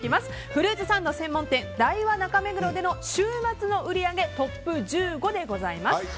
フルーツサンド専門店ダイワ中目黒での週末の売り上げトップ１５でございます。